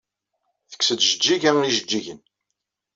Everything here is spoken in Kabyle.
Tekkes-d Jeǧǧiga ijeǧǧigen.